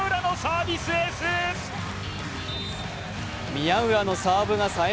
宮浦のサーブが冴え